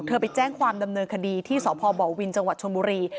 ไปแจ้งความดำเนินคดีที่สพบวินจังหวัดชนบุรี